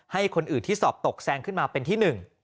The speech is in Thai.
ให้คนอื่นที่สอบตกแซงขึ้นมาเป็นที่หนึ่ง